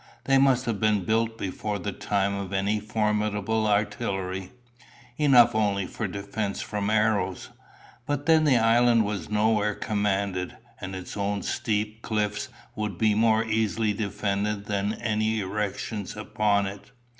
They must have been built before the time of any formidable artillery enough only for defence from arrows. But then the island was nowhere commanded, and its own steep cliffs would be more easily defended than any erections upon it.